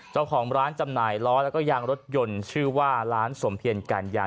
เจ้าของร้านจำหน่ายล้อแล้วก็ยางรถยนต์ชื่อว่าร้านสมเพียรกัญญา